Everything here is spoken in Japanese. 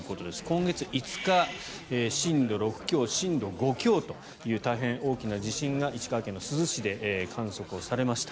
今月５日震度６強、震度５強という大変大きな地震が石川県の珠洲市で観測されました。